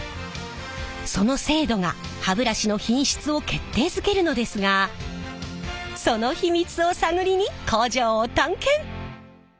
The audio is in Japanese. その精度が歯ブラシの品質を決定づけるのですがその秘密を探りに工場を探検！